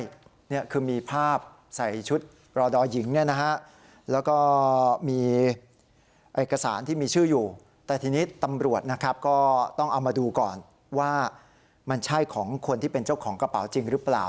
นี่คือมีภาพใส่ชุดรอดอหญิงเนี่ยนะฮะแล้วก็มีเอกสารที่มีชื่ออยู่แต่ทีนี้ตำรวจนะครับก็ต้องเอามาดูก่อนว่ามันใช่ของคนที่เป็นเจ้าของกระเป๋าจริงหรือเปล่า